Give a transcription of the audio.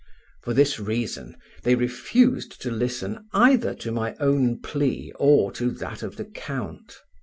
For this reason they refused to listen either to my own plea or to that of the count.